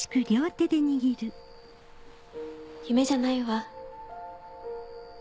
夢じゃないわ。